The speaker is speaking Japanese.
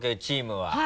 はい。